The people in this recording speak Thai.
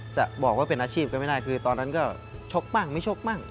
จะบอกว่าเป็นอาชีพก็ไม่ได้คือตอนนั้นก็ชกบ้างไม่ชกมั่ง